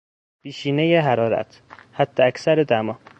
بیشینهی حرارت، حداکثر دما